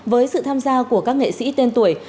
với sự tham gia của các nghệ sĩ tên tuổi